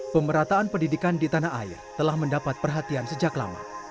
pemerataan pendidikan di tanah air telah mendapat perhatian sejak lama